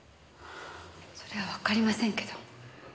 それはわかりませんけど。